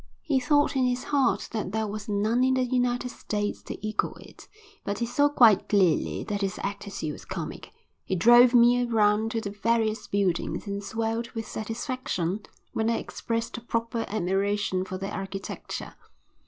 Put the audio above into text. He thought in his heart that there was none in the United States to equal it, but he saw quite clearly that his attitude was comic. He drove me round to the various buildings and swelled with satisfaction when I expressed a proper admiration for their architecture.